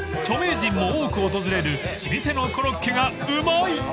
［著名人も多く訪れる老舗のコロッケがうまい！］